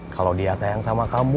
kalau dia sayang sama kamu